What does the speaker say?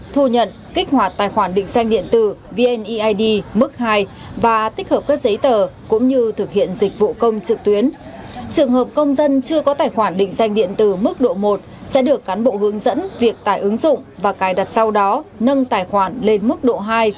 tài khoản định danh điện tử mức độ một sẽ được cán bộ hướng dẫn việc tải ứng dụng và cài đặt sau đó nâng tài khoản lên mức độ hai